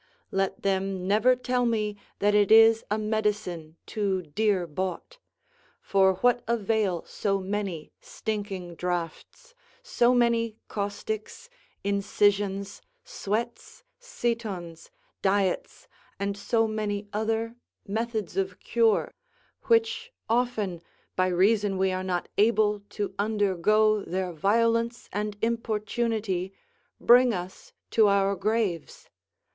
Let them never tell me that it is a medicine too dear bought: for what avail so many stinking draughts, so many caustics, incisions, sweats, setons, diets, and so many other methods of cure, which often, by reason we are not able to undergo their violence and importunity, bring us to our graves?